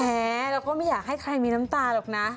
เราก็ไม่อยากให้ใครมีน้ำตาหรอกนะ